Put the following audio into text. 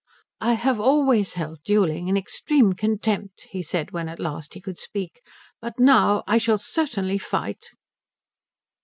"I have always held duelling in extreme contempt," he said when at last he could speak, "but now I shall certainly fight."